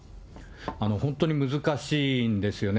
本当に難しいんですよね。